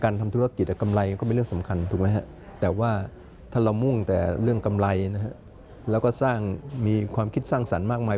เรื่องกำไรนะแล้วก็สร้างมีความคิดสร้างสรรค์มากมาย